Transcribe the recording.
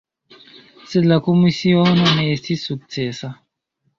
Sed la komisiono ne estis sukcesa.